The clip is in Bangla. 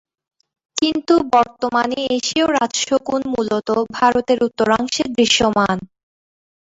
কিন্তু বর্তমানে এশীয় রাজ শকুন মূলতঃ ভারতের উত্তরাংশে দৃশ্যমান।